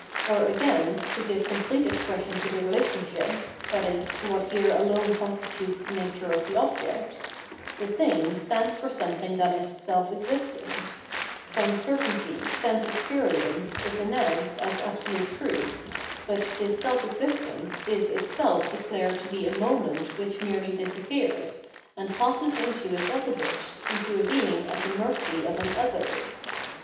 Or again — to give complete expression to the relationship, i.e. to what here alone constitutes the nature of the object — the thing stands for something that g 04 Phenomenology of Mind is self existent; sense certainty, sense experience, is an nounced as absolute truth; but this self existence is itself declared to be a moment which inerely disappears, and passes into its opposite, into a being at the mercy of an " other."